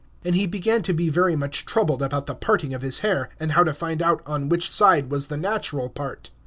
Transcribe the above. And he began to be very much troubled about the parting of his hair, and how to find out on which side was the natural part.